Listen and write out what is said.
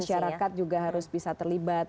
masyarakat juga harus bisa terlibat